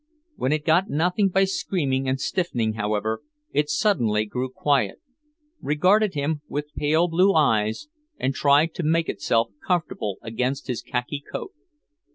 When it got nothing by screaming and stiffening, however, it suddenly grew quiet; regarded him with pale blue eyes, and tried to make itself comfortable against his khaki coat.